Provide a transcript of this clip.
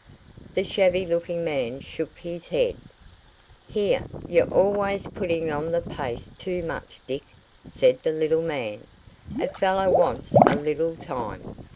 The shabby looking man shook his head. "Here, you're always putting on the pace too much, Dick," said the little man. "A fellow wants a little time.